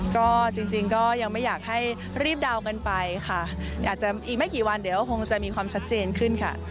ก็จริงก็ยังไม่อยากให้รีบเดากันไปค่ะอาจจะอีกไม่กี่วันเดี๋ยวคงจะมีความชัดเจนขึ้นค่ะ